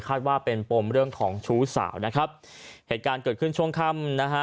ว่าเป็นปมเรื่องของชู้สาวนะครับเหตุการณ์เกิดขึ้นช่วงค่ำนะฮะ